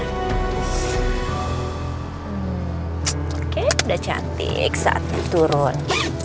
oke udah cantik saatnya turun